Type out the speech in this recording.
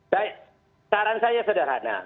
baik saran saya sederhana